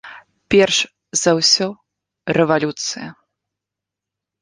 Перш за ўсё рэвалюцыя.